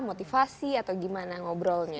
motivasi atau gimana ngobrolnya